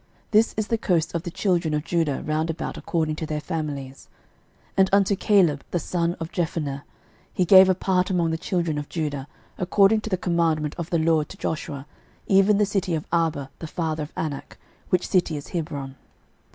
This is the coast of the children of Judah round about according to their families. 06:015:013 And unto Caleb the son of Jephunneh he gave a part among the children of Judah, according to the commandment of the LORD to Joshua, even the city of Arba the father of Anak, which city is Hebron.